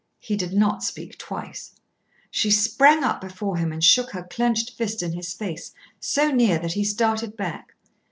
He did not speak twice. She sprang up before him and shook her clenched fist in his face, so near that he started back.